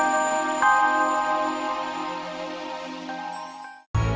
sampai jumpa lagi